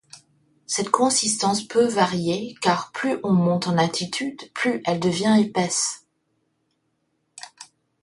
Cette consistance peut varier, car plus on monte en altitude, plus elle devient épaisse.